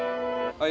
はい！